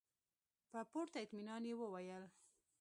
په پوره اطمينان يې وويل.